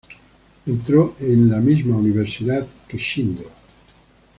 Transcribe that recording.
Entró en misma universidad que Shindo.